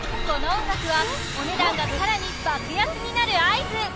この音楽はお値段がさらに爆安になる合図